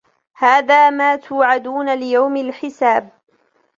هذا ما توعدون ليوم الحساب